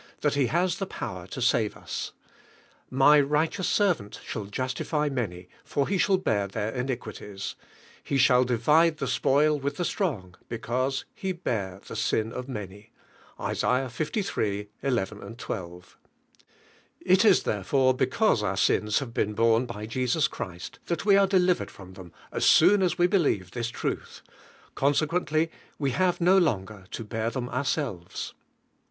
thai lie has I In power to save us, "My righteous Servant shall justify many, for lie shall bear their iniquities ... lie shall divide the spoil with the strong, because .,. lie bare the sin of mum" flsa. liii. 11, 12). It is therefore, because our sins have been borne by Jesus Christ, that we ate delivered from them as soon as we believe Ibis truth; consequently we have no longer to bear them ourselves.